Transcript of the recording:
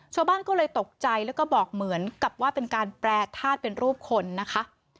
ชาวบ้านก็เลยตกใจแล้วก็บอกเหมือนกับว่าเป็นการแปรทาสเป็นรูปคนนะคะ